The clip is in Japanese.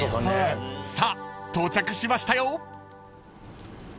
［さあ到着しましたよ］